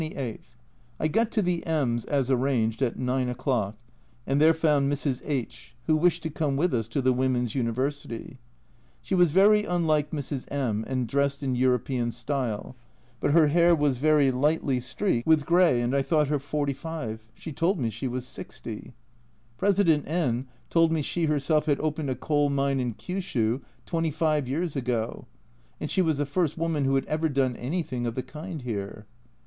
I got to the M s, as arranged, at 9 o'clock, and there found Mrs. H , who wished to come with us to the Women's University. She was very unlike Mrs. M , and dressed in European style, but her hair was very slightly streaked with 1 66 A Journal from Japan grey, and I thought her 45 she told me she was 60. President N told me she herself had opened a coal mine in Kyshyu twenty five years ago, and she was the first woman who had ever done anything of the kind here.